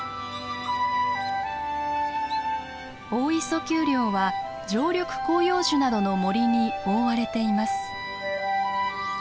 大磯丘陵は常緑広葉樹などの森に覆われています。